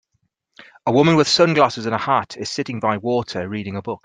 A woman with sunglasses and a hat is sitting by water reading a book.